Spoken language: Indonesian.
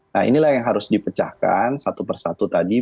nah inilah yang harus dipecahkan satu persatu tadi